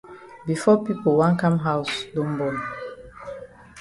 Before pipo wan kam haus don bon.